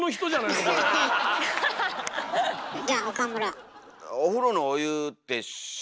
じゃあ岡村。